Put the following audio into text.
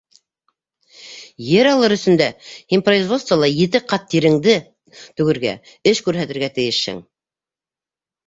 Ер алыр өсөн дә һин производствола ете ҡат тиреңде түгергә, эш күрһәтергә тейешһең.